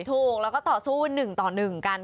ถูกแล้วก็ต่อสู้หนึ่งต่อหนึ่งกัน